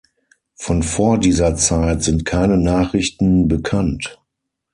Von vor dieser Zeit sind keine Nachrichten bekannt.